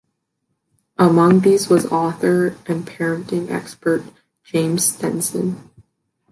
Among these was author and parenting expert James Stenson.